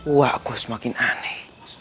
wah kus makin aneh